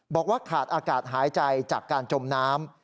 บอกว่าขาดอากาศหายใจจากการจมน้ำ